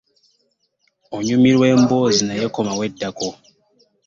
Onyumirwa emboozi naye komawo eddako.